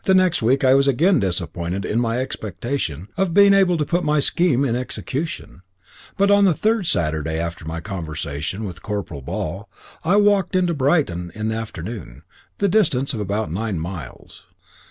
Next week I was again disappointed in my expectation of being able to put my scheme in execution; but on the third Saturday after my conversation with Corporal Ball, I walked into Brighton in the afternoon, the distance being about nine miles.